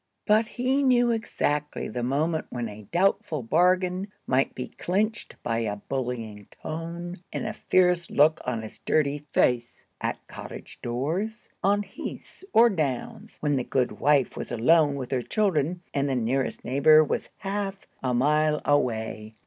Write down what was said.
But he knew exactly the moment when a doubtful bargain might be clinched by a bullying tone and a fierce look on his dirty face, at cottage doors, on heaths or downs, when the good wife was alone with her children, and the nearest neighbor was half a mile away.